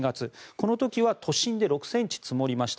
この時は都心で６ｃｍ積もりました。